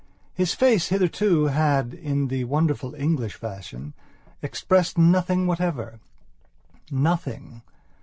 His face hitherto had, in the wonderful English fashion, expressed nothing whatever. Nothing.